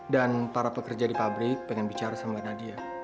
dan para pekerja di pabrik pengen bicara sama mbak nadia